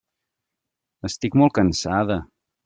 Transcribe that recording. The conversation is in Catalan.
Estic molt cansada.